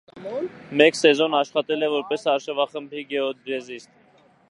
Մեկ սեզոն աշխատել է որպես արշավախմբի գեոդեզիստ։